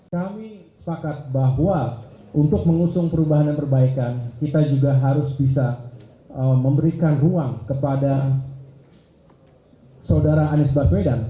kami sepakat bahwa untuk mengusung perubahan dan perbaikan kita juga harus bisa memberikan ruang kepada saudara anies baswedan